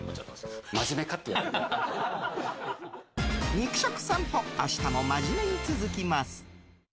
肉食さんぽ明日も真面目に続きます！